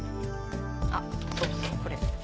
あっそうそうこれ。